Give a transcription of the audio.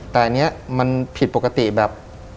แต่อันนี้มันผิดปกติแบบ